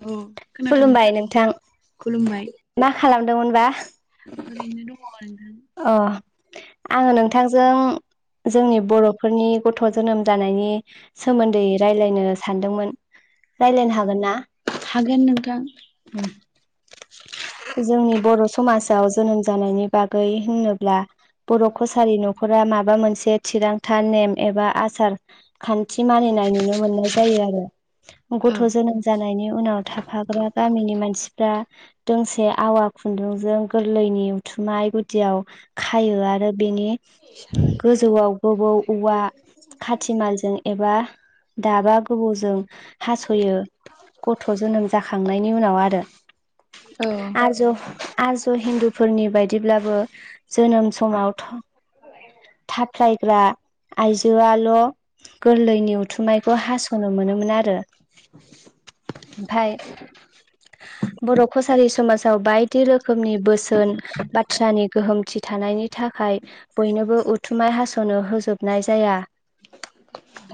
औ खुलुमबाय नोंथां। खुलुमबाय मा खालामदोंमोन बा? ओरैनो दङ। नोंथां अ आङो नोंथांजों जोंनि बर'फोरनि गथ' जोनोम जानायनि सोमोन्दै रायलायनो सानदोंमोन। रायलायनो हागोन ना? हागोन नोंथां जोंनि बर' समाजाव जोनोम जानायनि बागै होनो ब्ला बर' कसारि न'फोरा माबा मोनसे थिरांथा नेम एबा आसार खान्थि मानिनाय नुनो मोननाय जायो आरो। औ गथ' जोनोम जानायनि उनाव थाफाग्रा गामिनि मानसिफ्रा दोंसे आवा खुन्दुंजों गोरलैनि थुनाय गुदियाव खायो आरो बेनि गोजौआव गोबौ औवा खाथि मालजों एबा दाबा गोबौजों हास'यो गथ' जोनोम जाखांनायनि उनाव आरो औ आरज' आरज' हिन्दुफोरनि बायदिब्लाबो जोनोम समावथ' थाफ्लायग्रा आइजोआल' गोरलैनि उथुमायखौ हास'नो मोनोमोन आरो। ओमफाय बर' कसारि समाजाव बायदि रोखोमनि बोसो न बाथ्रानि गोहोमथि थानायनि थाखाय बयनोबो उथुमाय हास'नो होजोबनाय जाया।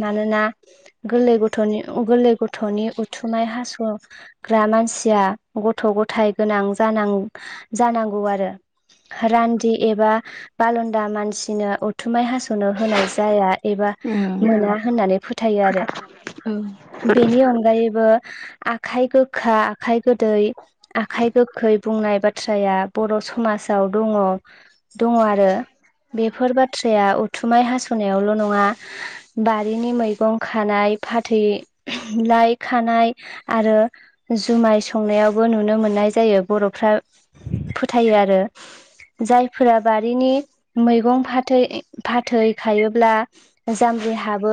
मानोना गोरलै गथ'नि गोरलै गथ'नि उथुमाय हास' ग्रा मानसिया गथ' गथाय गोनां जानां जानांगौ आरो रान्दि एबा बालदा मानसिनो उथुमाय हास'नो होनाय जाया। एबा औ मोना होननानै फोथायो आरो। औ बेनि अनगायैबो आखाइ गोखा आखाइ गोदै आखाइ गोखै बुंनाय बाथ्राया बर' समाजाव दङ। दङ आरो बेफोर बाथ्राया उथुमाय हासुनायावल' नङा। बारिनि मैगं खानाय फाथै लाइ खानाय आरो जुमाय संनायावबो नुनो मोननाय जायो बर'फ्रा फोथायो आरो। जायफोरा बारिनि मैगं फाथो फाथैखायोब्ला जामबि हाबो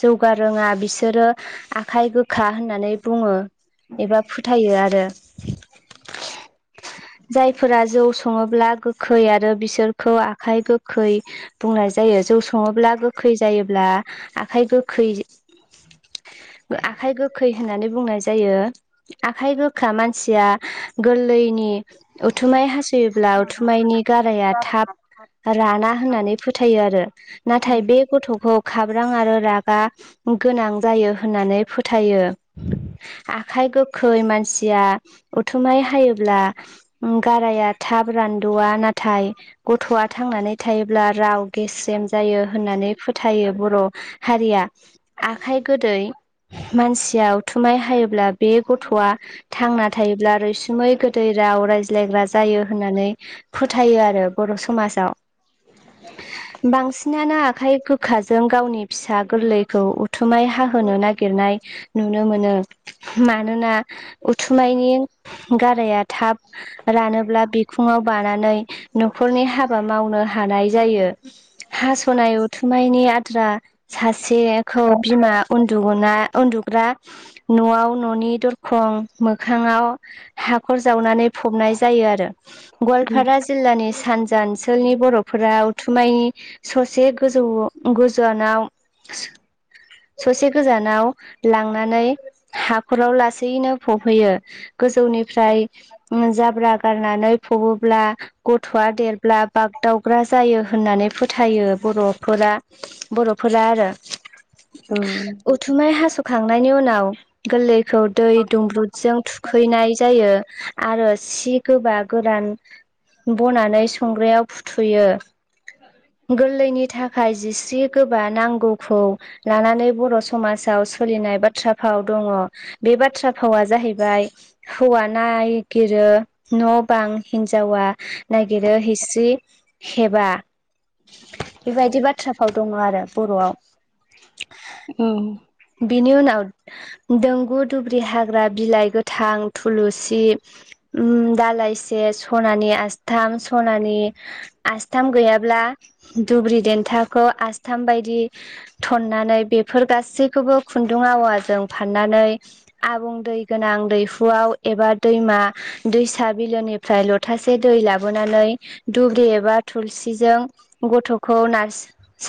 जौगा रोङा बि सोरो आखाइ गोखा होननानै बुङो। एबा फोथायो आरो। जायफोरा जौ सङोब्ला गोखै आरो बिसोरखौ आखाइ गोखै बुंनाय जायो जौ सङोब्ला गोखै जायोब्ला आखाइ गोखै आखाइ गोखै होननानै बुंनाय जायो। आखाय गोखा मानसिया गोरलैनि उ थुमाय हासोयोब्ला उथुमायनि गाराया थाब राना होननानै फोथायो आरो। नाथाय बे गथ'खौ खाब्रां आरो राबा गोनां जायो होननानै फोथायो। आखाइ गोखै मानसिया उथुमाय हायोब्ला गाराया थाब रानबोआ नाथाय गथ'आ थांनानै थायोब्ला राव गेस्रेम जायो होननानै फोथायो बर' हारिया आखाय गोदै मानसिया उथुमाय हायोब्ला बे गथ'आ थांना थायोब्ला रैसुमै गोदै राव रायज्लायग्रा जायो होननानै फोथायो आरो बर' समाजाव। बांसिनानो आखाइ गोखाजों गावनि फिसा गोरलैखौ उथुमाय हाहोनो नागिरनाय नुनो मोनो। मानोना उथुमानि गाराया थाब रानोब्ला बिखुङाव बानानै न'खरनि हाबा मावनो हानाय जायो। हास'नाय उथुमनायनि आद्रा सासेखौ मा उन्दुना उन्दुग्रा न'आव न'नि मोखाङाव हाखर जावनानै जायो आरो औ गवालपारा जिल्लानि सानजा ओनसोलनि बर'फोरा उथुमाय ससे गोजौ गोजौआानाव ससे गोजानाव लांनानै हाखराव लासैयैनो फबहैयो। गोजौनिफ्राय जाब्रा गारनानै फोब्ला गथ'आ देरब्ला बागदावग्रा जायो होननानै फोथाय सायो बर'फोरा बर'फोरा आरो। औ। बुथुमाय हास'खांनायनि उनाव गोरलैखौ दै दुंब्रुदजों थुखैनाय जायो आरो सि‌ गोबा गोरान बनानै संग्रायाव फुथुयो। गोरलैनि थाखाय जिस्रि गोबा नांगौखौ लानानै बर' समाजाव सोलिनाय बाथ्रा फाव दङ। बाथ्रा भावा हौवा नायगिरो। न' बां हिन्जावा नागिरो हैैस्रि हेबा। बेबायदि बाथ्रा फाव दङ आरो बर'आव। ओम बिनि उनाव दोंगु दुब्रि हाग्रा बिलाइ गोथां थुलुसि दालाइसे सनानि आसस्थाम सनानि आसथाम गैयाब्ला दुब्रि देन्थाखौ आसथाम बायदि थन्नानै बेफोर गासैखौबो खुन्दुं आवाजों फाननानै आबुं दै दैहुआव एबा दैमा बिलोनि फ्राय लथासे दै लाबोनानै दुब्लि एबा थुलसिजों गथ'खौ न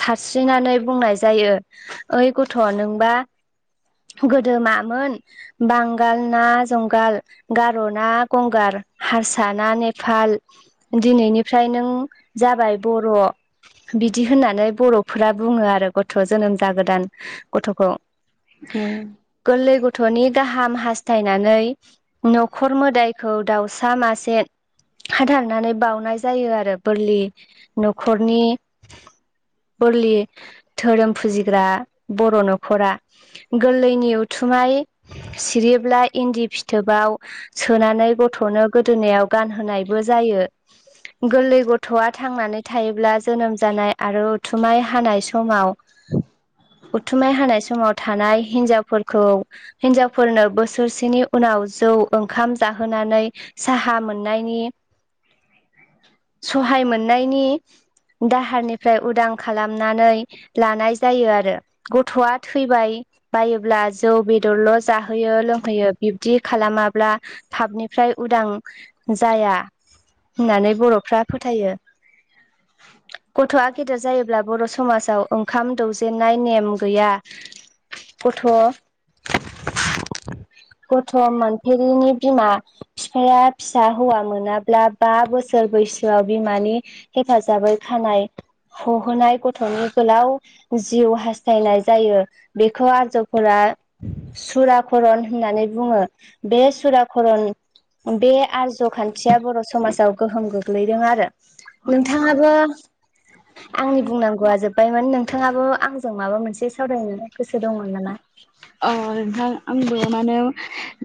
सारस्रिनानै बुंनाय जायो ओइ गथ' नों बा गोदोमामोन बांगाल ना जंगाल गार'ना गंगार हारसा ना नेपाल दिनैनिफ्राय नों जाबाय बर'। बिदि होननानै बर'फोरा बुङो आरो गथ' जोनोम ज गोदान गथ'खौ। [unintelligible] गोरलै गथ'नि गाहाम हास्थायनानै न'खर मोदायखौ दाउसा मासे हाथारनानै बाउनाय जायो आरो बोरलि न'खरनि बोरलि धोरोम फुजिग्रा बर' न' रा गोरलैनि उथुमाय सिरिब्ला इन्दि फिथोबाव सोनानै गथ'नो गोदोनायाव गानहोनायबो जायो। गोरलै गथ'आ थांनानै थायोब्ला जोनोम जानाय आरो उथुमाय हानाय समाव उथुमाय हानाय समाव थानाय हिनजावफोरखौ हिनजावफोरनो बोसोरसेनि उनाव जौ ओंखाम जाहोनानै साहा मोननायनि सहाय मोननायनि दाहारनिफ्राय उदां खालामनानै जायो आरो। गथ'आ थैबाय--बायोब्ला जौ बेदरल' जाहोयो लोंहोयो दी खालामाब्ला थाबनिफ्राय उदां जाया। होननानै बर'फ्रा फोथायो। गथ'आ गेदेर जायोब्ला बर' समाजाव ओंखाम दौजेनन्नाय नेम गैया। [unintelligible] गथ' मोनफेरिनि बिमा बिफाया फिसा हौवा मोनाबा ला बा बोसोर बैसोआव बिमानि हेफाजाबै खानाय हहोनाय गथ'नि गोलाव जिउ हास्थायनाय जायो बेखौ आरजावफोरा सुराकरन होननानै बुङो बे सुराकरन बे आरज खान खाथिया बर' समाजाव गोहोम गोग्लैदों आरो नोंथाङाबो बुंनांगौआ जोब्बायमोन नोंथाङाबो आंजों माबा मोनसे गोसो दंमोन नामा नोंथां आंबो माने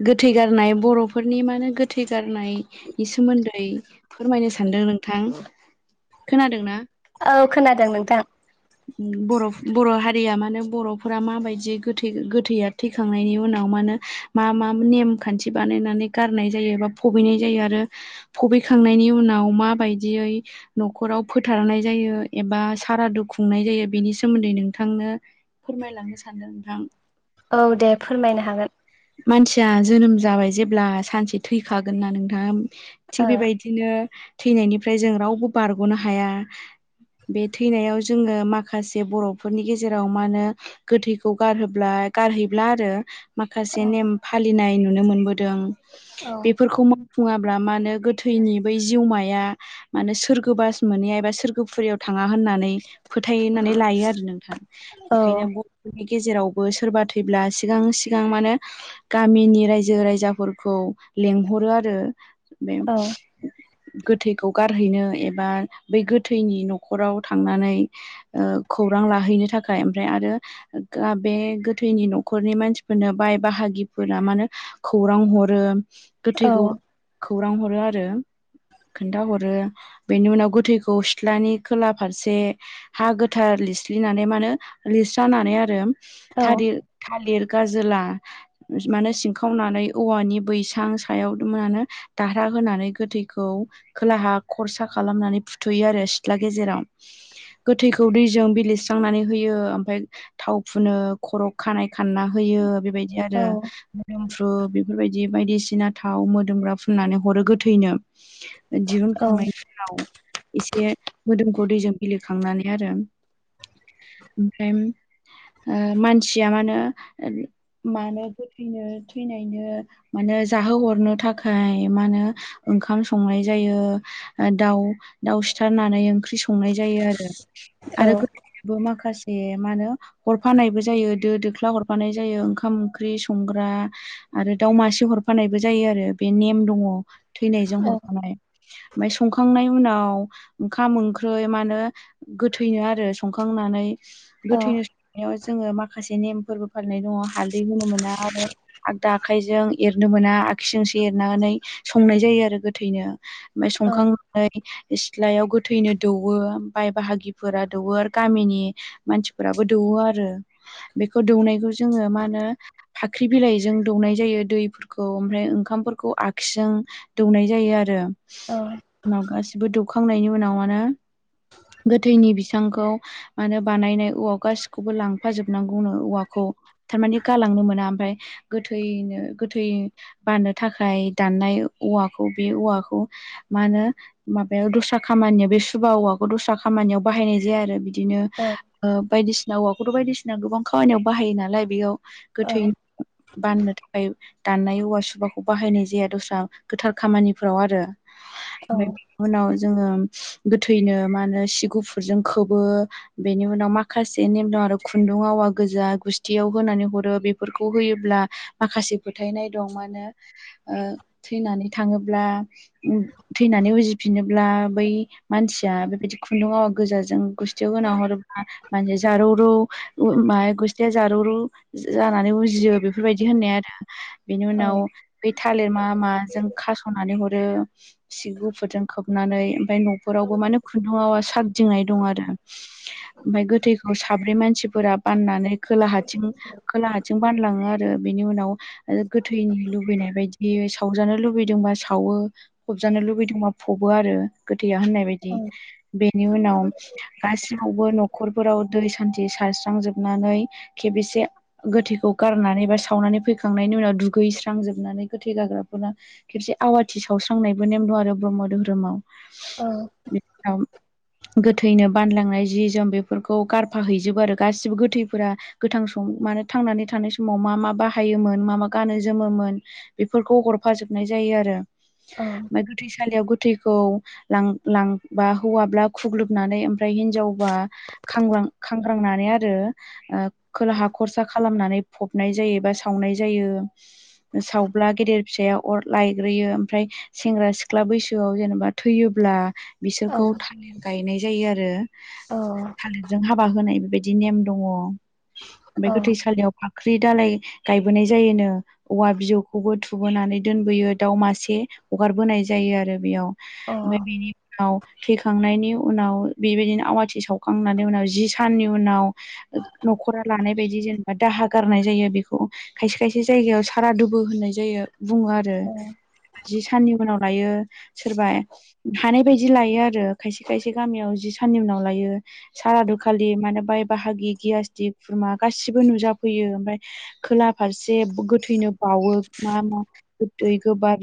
गोथै गारनाय बर'फोरनि माने गोथै बे सोमोन्दै फोरमायनो सानदों नोंथां खोनादोंना औ खोनादों नोंथां बर' हारिया माने बर'फोरा माबायदि गोथै गोथैया उनाव मा जा मा मा नेम खान्थि बानायनानै गारनाय जायो बा भबिनाय जायो आरो फबैखांनायनि उनाव मा बायदियै न'खराव फोथारनाय जायो एबा सारादु खुंनाय जायो बेनि सोमोन्दै नोंथांनो फोरमायलांनो सानदों नोंथां औ दे फोरमायनो हागोन मानसिया जोनोम जाबाय जेब्ला सानसे थैखागोनना नोंथाङा थिग ओ बेबायदि बिदिनो थैनायनिफ्राय जों रावबो बारग'नो हाया बे थैनायाव जोङो माखासे बर'फोरनि गेजेराव मा होनो गोथैखौ गारहोब्ला गारहैब्ला आरो मा माखासे नेम फालिनाय नुनो मोनबोदों बेफोरखौ बुङाब्ला मा होनो गोथैनि बै जिउमाया माने सोरगो बास मोनहैया सोरगोफुरियाव थाङा होन्नानै फोथायनानै लायो आरो नोंथां बेखायनो नि गेजेरावबो सोरबा थैब्ला सिगां सि सिगां माने गामिनि रायजो राजाफोरखौ लेंंहरो आरो बे गोथैखौ गारहैनो एबा बै गोथैनि न'खराव थांनानै खौरां लाहैनो थाखाय ओमफ्राय आरो बे गोथैनि न'खरनि मानसि होनो बाय बाहागिफोरा मानो खौरां हरो गोथैखौ खौरां हरो आरो खोन्थाहरो बेनि उनाव गोथैखौ सिथ्लानि खोला फारसे गोथार लिरस्लिनानै लिरस्रानानै आरो थालिर थालिर गाजोला माने सिंखावनानै औवानि बैसां सायावमोनानो दारहा होनानै गोथैखौ खोलाहा खरसा खालामनानै फुथ'यो आरो सिथ्ला गेजेराव गोथैखौ दैजों बिलेस्रांनानै होयो ओमफफ्राय थाव फुनो खर' खानाय खाना होयो बेबायदि आरो मोदोमफ्रु बेफोरबायदि बायदिसिना थाव मोदोमग्रा फुननानै हरो गोथैनो दिहुनखांनायनि उनाव एसे मोदोमखौ दैजों बिलेखांनानै आरो ओमफ्राय मानसिया मानो मानो गोथैनो थैनायनो माने जाहोहरनो थाखाय मा होनो ओंखाम संनाय जायो ओ दाउ दाउ सिथारनानै ओंख्रि संनाय जायो आरो। आरो गोथै सोनोबो माखासे मा होनो हरफानायबो जायो दो दोख्ला हरफ फानाय जायो ओंखाम ओंख्रि संग्रा आरो दाउ मासे हरफानायबो जायो आरो बे नेम दङ थैनायजों हरफानाय। ओमफाय संखांनायनि उनाव ओंखाम ओंख्रै मा होनो गोथैनो आरो संखांनानै गोथैनो संनायाव जोङो माखासे नेमफोरबो फोरनाय दङ हालदै होनो मोना आरो आगदा आखाइजों एरनो मोना आग्सिजोंसो एरनानै संनाय जायो आरो गोथैनो। ओमफाय संखांनानै सिथ्लायाव गोथैनो दौवो बाय बाहागिफोरा दौवो आरो गामिनि मानसिफोराबो दौवो आरो बेखौ दौनायखौ जोङो मा होनो फाख्रि बिलाइजों दौनाय जायो दैफोरखौ ओमफ्राय ओंखामफोरखौ आगसिजों दौनाय जायो आरो औ उनाव गासिबो दौखांनायनि उनाव मानो गोथैनि बिसांखौ मानो बानायनाय औवआव गासिखौबो लांफाजोबनांगौनो औवाखौ। थारमाने गालांनो मोना ओमफाय गोथैनो गोथै बाननो थाखाय दाननाय औवाखौ बे औवाखौ मा होनो माबायाव दस्रा खामानियाव बे सुबा औवाखौ दस्रा खामानियाव बाहायनाय जाया आरो बिदि दिनो ओ बायदिसिना औवाखौथ' बायदिसिना गोबां खामानियाव बाहायो नालाय बेयाव गोथै बाननो थाखाय दाननाय औवा सुबाखौ बाहायनाय जाया दस्रा गोथार खामानिफोराव आरो। ओमफाय उनाव जोङो गोथैनो मा होनो सि गुफुरजों खोबो बेनि उनाव माखासे नेम दं आरो खुन्दुं आवा गोजा गुस थियाव होनानै हरो बेफोरखौ होयोब्ला माखासे फोथायनाय दं मा होनो ओ थैनानै थाङोब्ला उम थैनानै उजिफिनोब्ला बै मानसिया बेबायदि खुन्दुंआवा गोजाजों गुस्थियाव गोनां हरोब्ला माने जारौरौ उ मा गुस्थि थिया जारुरु जानानै उजियो बेफोरबायदि होननाय आरो बेनि उनाव बे थालिर मा माजों खास'नानै हरो। सि गुफुरजों खोबनानै ओमफाय नख'रावबो माने खुन्दुंआवा साग्दिंनाय दं आरो। ओमफाय गोथैखौ साब्रै मानसिफोरा बाननानै खोलाहााथिं खोलाहाथिं बानलाङो आरो बेनि उनाव आरो गोथैनि लुबैनाय बायदियै सावजानो लुबैदोंबा सावो फबजानो लुबैदोंबा फबो आरो गोथैया होननाय बायदि। बेनि उनाव गासियावबो न'खरफोराव दै सान्थि सारस्रांजोबनानै खेबिसे गोथैखौ गारनानै बा सावनानै फैखांनायनि उनाव दुगैस्रांजोबनानै गोथै गारग्राफोरना खेबसे आवाथि सावस्रांनायबो नेम दं आरो ब्रह्म दोहोरोमाव बिनि उनाव गोथैनो बानलांनाय जि जोम बेफोरखौ गारफाहैजोबो आरो गासिबो गोथै फोरा गोथां सम मानो थांनानै थानाय समाव मा मा बाहायोमोन मा मा गानो जोमोमोन बेफोरखौ हरफाजोबनाय जायो आरो ओमफ्राय गोथैसालियाव गोथ थैखौ लां-लांबा हौवाब्ला खुग्लुबनानै ओमफ्राय हिनजावबा खांग्रां खांग्रांनानै आरो ओ खोलाहा खरसा खालामनानै फबनाय जायो बा सावनाय जायो। सावब्ला गेदेर फिसाया अर लायग्रोयो ओमफ्राय सेंग्रा सिख्ला बैसोआव जेनेबा थैयोब्ला बिसोरखौ थालिर गायनाय जायो आरो थालिरजों हाबा होनाय बेबायदि नेम दङ, ओमफ्राय गोथै सलियाव फाख्रि दालाय गायबोनाय जायोनो औवा बिजौखौबो थुबोनानै दोनबोयो, दाउ मासे हगारबोनाय जायो आरो बेयाव। ओमफाय बिनि उनाव थैखांनायनि उनाव बेबायदिनो आवाथि सावखांनायनि उनाव जि साननि उनाव न'खरा लानाय बायदि जेन'बा दाहा गारनाय जायो बेखौ खायसे खायसे जायगायाव सारादुबो होननाय जायो बुङो आरो। सोरबा जि साननि उनाव लायो सोरबा हानाय बायदि लायो आरो खायसे खायसे गामियाव जि साननि उनाव लायो। सारादुखालि माने बाय बाहागि गियासटि खुरमा गासिबो नुजाफैयो ओमफ्राय खोला फारसे गोथैनो बाउवो मा मा गोदै गोबाब